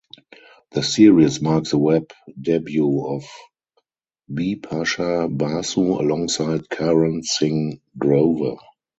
The series mark the web debut of Bipasha Basu alongside Karan Singh Grover.